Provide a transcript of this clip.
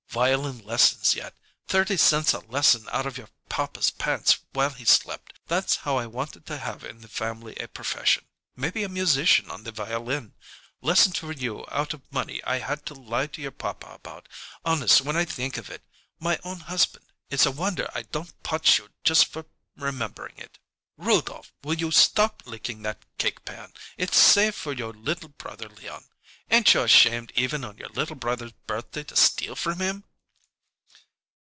Violin lessons yet thirty cents a lesson out of your papa's pants while he slept! That's how I wanted to have in the family a profession maybe a musician on the violin! Lessons for you out of money I had to lie to your papa about! Honest, when I think of it my own husband it's a wonder I don't potch you just for remembering it. Rudolph, will you stop licking that cake pan? It's saved for your little brother Leon. Ain't you ashamed even on your little brother's birthday to steal from him?"